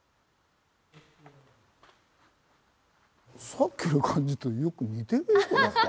さっきの感じとよく似てるよこれ。